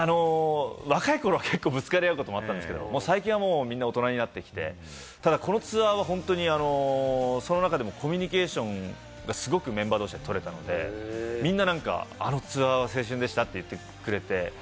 若い頃は結構、ぶつかり合うこともあったんですけれども、最近はみんな大人になってきて、このツアーはその中でもコミュニケーションがすごくメンバー同士で取れたんで、みんななんかあのツアーは青春でしたって言ってくれて。